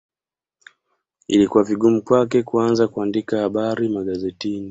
Ilikuwa vigumu kwake kuanza kuandika habari magazetini